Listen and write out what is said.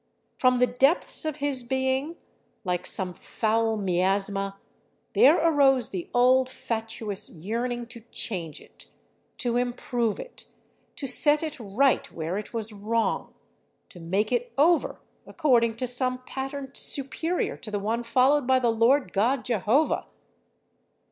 From the depths of his being, like some foul miasma, there arose the old, fatuous yearning to change it, to improve it, to set it right where it was wrong, to make it over according to some pattern superior to the one followed by the Lord God Jehovah.